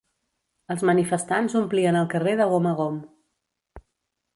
Els manifestants omplien el carrer de gom a gom.